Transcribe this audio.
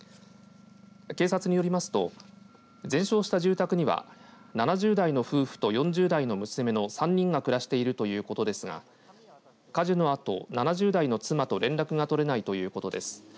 警察によりますと全焼した住宅には７０代の夫婦と４０代の娘の３人が暮らしているということですが火事のあと、７０代の妻と連絡が取れないということです。